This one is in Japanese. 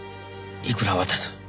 いくら渡す？